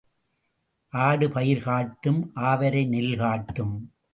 ஆடு பயிர் காட்டும் ஆவாரை நெல் காட்டும்.